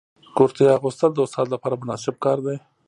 کرتۍ اغوستل د استاد لپاره مناسب کار دی.